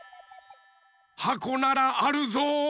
はこならあるぞ。